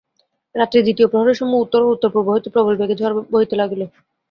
রাত্রি দ্বিতীয় প্রহরের সময় উত্তর ও উত্তর-পূর্ব হইতে প্রবল বেগে ঝড় বহিতে লাগিল।